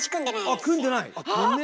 あ組んでない！